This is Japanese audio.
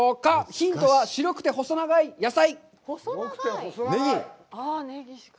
ヒントは白くて細長い野菜。